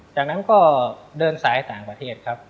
จากนั้นก็เดินสายต่างประเทศครับ